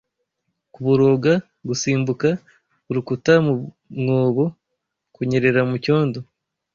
Kuboroga, gusimbuka urukuta mu mwobo, Kunyerera mucyondo